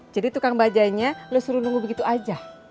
jadi tukang bajanya lo suruh nunggu begitu aja